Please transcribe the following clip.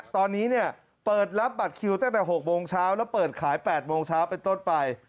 ตอนนี้เปิดรับบัตรคิวตั้งแต่๖โมงเช้าแล้วเปิดขาย๘โมงเช้าเป็นต้นไป